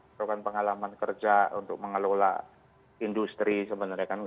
merupakan pengalaman kerja untuk mengelola industri sebenarnya kan